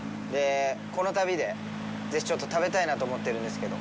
この旅で、ぜひちょっと食べたいなと思ってるんですけど。